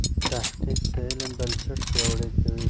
تحقیق د علم بنسټ پیاوړی کوي.